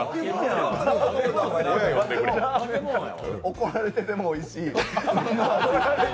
怒られててもおいしい。